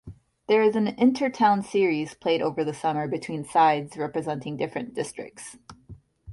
There is an InterTown Series played over the summer between sides representing different districts.